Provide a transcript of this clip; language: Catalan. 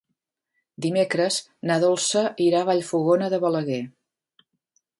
Dimecres na Dolça irà a Vallfogona de Balaguer.